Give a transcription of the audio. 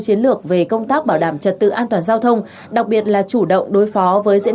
chiến lược về công tác bảo đảm trật tự an toàn giao thông đặc biệt là chủ động đối phó với diễn